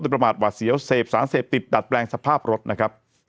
ประมาทหวาดเสียวเสพสารเสพติดดัดแปลงสภาพรถนะครับ